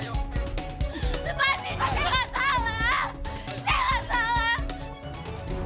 saya gak salah